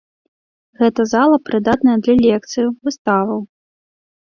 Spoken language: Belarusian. Гэта зала прыдатная для лекцыяў, выставаў.